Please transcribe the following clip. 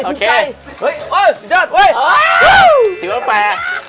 โอ้ยสุดยอดเว้ย